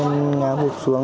em ngá hụt xuống